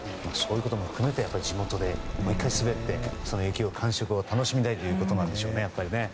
そういうことも含めて地元でもう１回滑ってその雪の感触を楽しみたいということなんでしょうね。